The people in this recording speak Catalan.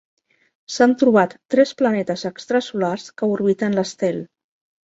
S'han trobat tres planetes extrasolars que orbiten l'estel.